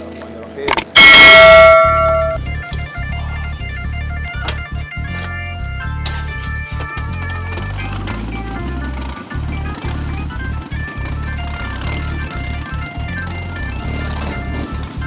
kita pindah ke